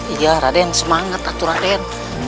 iya raden semangat aku raden